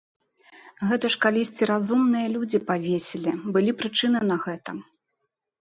Гэта ж калісьці разумныя людзі павесілі, былі прычыны на гэта.